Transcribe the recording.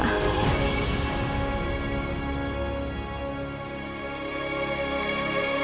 aku mau buat papa kecewa